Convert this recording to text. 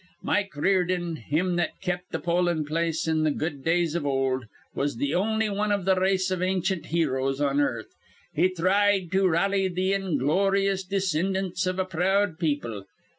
Mike Riordan, him that kept th' pollin' place in th' good days iv old, was th' on'y wan iv th' race iv ancient heroes on earth. He thried to rally th' ingloryous descindants iv a proud people.